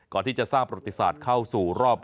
ก่อนที่จะสร้างประวัติศาสตร์เข้าสู่รอบ